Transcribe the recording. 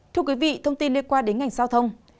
thưa quý vị thông tin liên quan đến ngành giao thông